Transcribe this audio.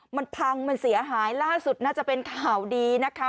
มันพังมันเสียหายล่าสุดน่าจะเป็นข่าวดีนะคะ